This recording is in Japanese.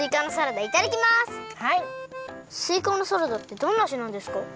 すいかのサラダってどんなあじなんですか？